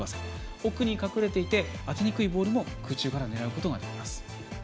奥に隠れていて当てにくいボールも空中から狙うことができます。